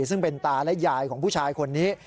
ซึ่งเป็นตาและยายของผู้ชายคนนี้